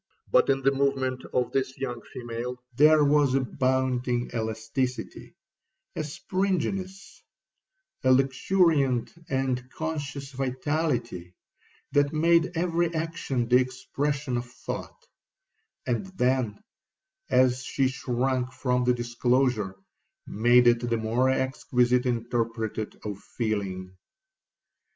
But in the movement of this young female, there was a bounding elasticity, a springiness, a luxuriant and conscious vitality, that made every action the expression of thought; and then, as she shrunk from the disclosure, made it the more exquisite interpreter of feeling.